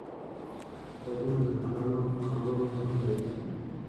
غوږونه د حلالو خبرو زغم لري